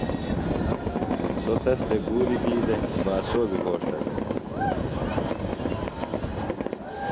سوۡ تس تھےۡ گُولیۡ دی دےۡ باسو بیۡ گھوݜٹہ دےۡ۔